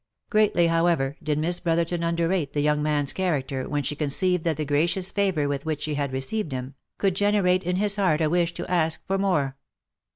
Greatly, however, did Miss Brotherton underrate the young man's character when she conceived that the gracious favour with which she had received him, could generate in his heart a wish to ask for more.